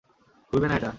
খুলবে না এটা!